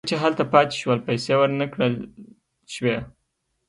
هغوی چې هلته پاتې شول پیسې ورنه کړل شوې.